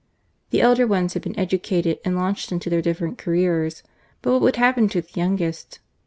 The elder ones had been educated and launched in their diflFerent careers ; but what would happen to the youngest?